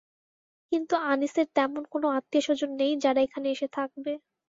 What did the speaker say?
কিন্তু আনিসের তেমন কোনো আত্নীয়স্বজন নেই, যারা এখানে এসে থাকবে।